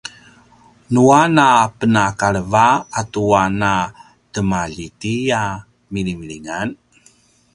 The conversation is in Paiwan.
nua na penakaleva atua na temaljiti a milimilingan